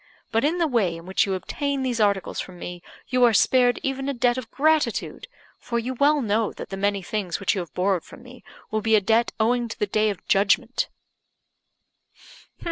But in the way in which you obtain these articles from me, you are spared even a debt of gratitude; for you well know that the many things which you have borrowed from me will be a debt owing to the Day of Judgment."